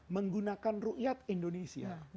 menggunakan ru'iyat indonesia